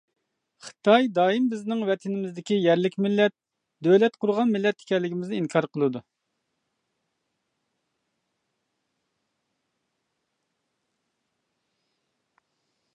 خىتاي دائىم بىزنىڭ ۋەتىنىمىزدىكى يەرلىك مىللەت، دۆلەت قۇرغان مىللەت ئىكەنلىكىمىزنى ئىنكار قىلىدۇ.